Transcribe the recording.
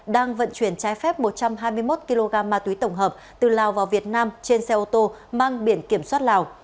đang vận chuyển trái phép một trăm hai mươi một kg ma túy tổng hợp từ lào vào việt nam trên xe ô tô mang biển kiểm soát lào